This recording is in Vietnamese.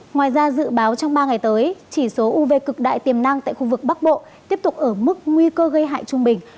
ngoài ra dự báo trong ba ngày tới chỉ số uv cực đại tiềm năng tại khu vực bắc bộ tiếp tục ở mức nguy cơ gây hại trung bình